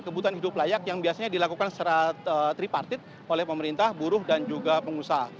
kebutuhan hidup layak yang biasanya dilakukan secara tripartit oleh pemerintah buruh dan juga pengusaha